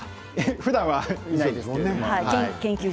ふだんはいないですけれど。